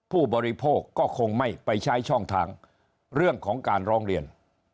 ผู้บริโภคก็คงไม่ไปใช้ช่องทางเรื่องของการร้องเรียน